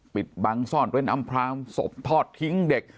ปิดบังซ่อนเร้นอำพลางศพทอดทิ้งเด็ก